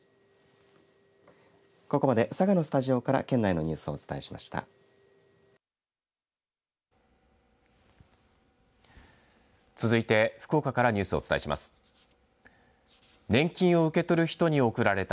ここまで佐賀のスタジオから県内のニュースをお伝えしました。